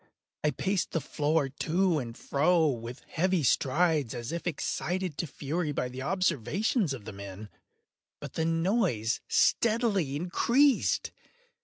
I paced the floor to and fro with heavy strides, as if excited to fury by the observations of the men—but the noise steadily increased.